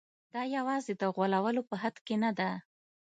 دا یوازې د غولولو په حد کې نه ده.